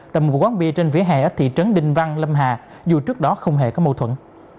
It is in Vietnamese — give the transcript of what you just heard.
tại một quán bia trên vỉa hẻ ở thị trấn đinh văn lâm hà dù trước đó không hề có mâu thuẫn